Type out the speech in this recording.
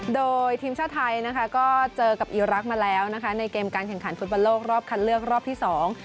โดยทีมชาติไทยนะคะก็เจอกับอีรักษ์มาแล้วนะคะในเกมการแข่งขันฟุตบอลโลกรอบคัดเลือกรอบที่สอง